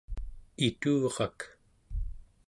iturak